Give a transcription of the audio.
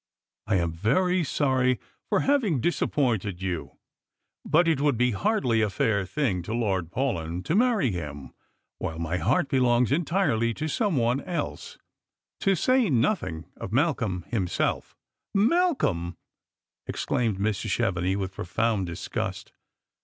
I am very sorry for having disappointed you, but it would be hardly a fair thing to Lord Paulyn to marry him while my heart belongs entirely to some one else, to say nothing of Malcolm himself "" Malcolm !" exclaimed Mrs. Chevenix, with profound disgust.